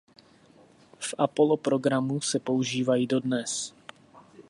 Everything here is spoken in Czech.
V Apollo programu se používají dodnes.